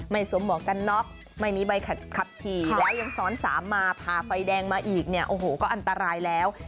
สวมหมวกกันน็อกไม่มีใบขับขี่แล้วยังซ้อนสามมาผ่าไฟแดงมาอีกเนี่ยโอ้โหก็อันตรายแล้ว